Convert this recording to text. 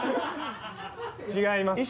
違います。